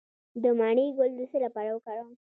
د مڼې ګل د څه لپاره وکاروم؟